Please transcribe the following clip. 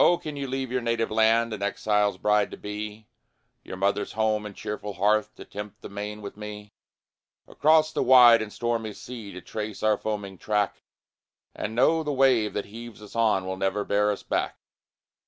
can you leave your native land An exile's bride to be; Your mother's home, and cheerful hearth, To tempt the main with me; Across the wide and stormy sea To trace our foaming track, And know the wave that heaves us on Will never bear us back?